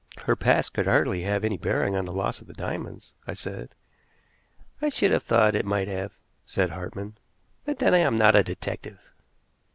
"Her past could hardly have any bearing on the loss of the diamonds," I said. "I should have thought it might have," said Hartmann, "but then I am not a detective."